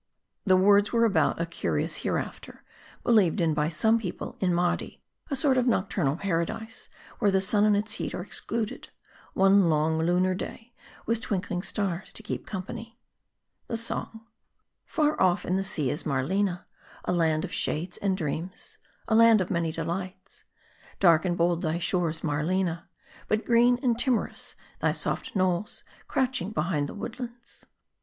The words were about a curious hereafter, believed in by some people in Mardi : a sort of nocturnal Paradise, where the sun and its heat are excluded : one long, lunar day, with twinkling stars to keep company. M A E D I. 359 THE SONG. Far off in the sea is Marlena, A land of shades and streams, A land of many delights. Dark and bold, thy shores, Marleua ; But green, and timorous, thy soft knolls, Crouching behind the woodlands.